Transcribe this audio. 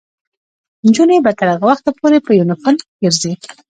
نجونې به تر هغه وخته پورې په یونیفورم کې ګرځي.